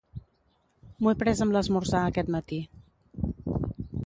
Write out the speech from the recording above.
M'ho he pres amb l'esmorzar aquest matí.